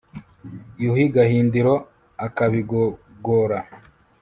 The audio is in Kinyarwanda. yuhi gahindiro akabigogora